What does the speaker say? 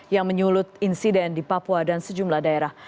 yang menyulut insiden di papua dan sejumlah daerah